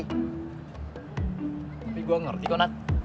tapi gua ngerti kok nat